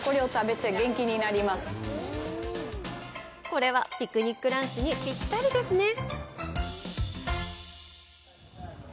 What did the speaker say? これはピクニックランチにぴったりですね！